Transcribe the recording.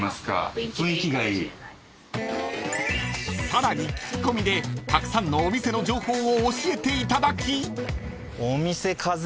［さらに聞き込みでたくさんのお店の情報を教えていただき］